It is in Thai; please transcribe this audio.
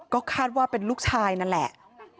ก็คาดว่าเป็นลูกชายนั่นแหละ